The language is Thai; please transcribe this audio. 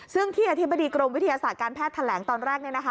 ซึ่งที่อธิบดีกรมวิทยาศาสตร์การแพทย์แถลงตอนแรก